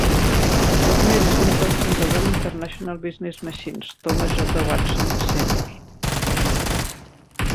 Buckner és nét del fundador d'International Business Machines, Thomas J. Watson, Sr.